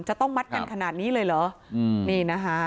จะต้องมัดกันขนาดนี้เลยเหรอนี่นะคะ